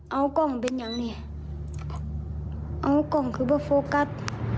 เอากล่องเป็นยังเนี้ยเอากล่องคือแบบโฟกัส